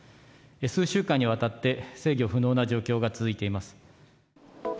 数週間にわたって、制御不能な状況が続いております。